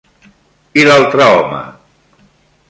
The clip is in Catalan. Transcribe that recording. I l'altre home?